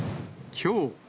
きょう。